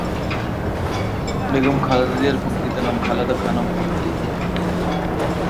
বেগম খালেদা জিয়ার প্রকৃত নাম খালেদা খানম পুতুল।